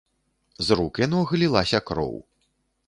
З рук і ног лілася кроў.